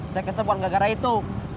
saya kesel bukan nggak gara gara itu